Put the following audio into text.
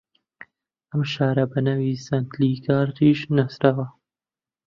ئەم شارە بە ناوی ستالینگرادیش ناسراوە